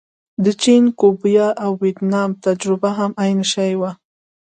د چین، کیوبا او ویتنام تجربه هم عین شی وه.